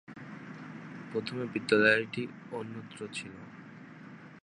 প্রথমে বিদ্যালয়টি অন্যত্র ছিল।